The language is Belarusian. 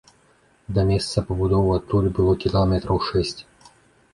Да месца пабудоў адтуль было кіламетраў шэсць.